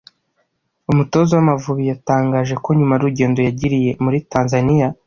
umutoza w’Amavubi yatangaje ko nyuma y’urugendo yagiriye muri Tanzania